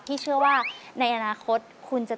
พี่เชื่อว่าในอนาคตคุณจะได้